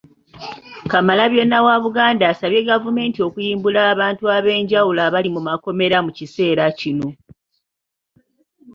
Kamalabyonna wa Buganda asabye gavumenti okuyimbula abantu ab'enjawulo abali mu makomera mu kiseera kino